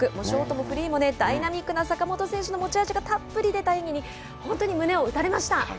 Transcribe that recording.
ショートもフリーもダイナミックな坂本選手の持ち味がたっぷり出た演技に本当に胸を打たれました。